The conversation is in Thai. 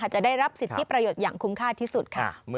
จะได้รับสิทธิประโยชน์อย่างคุ้มค่าที่สุดค่ะ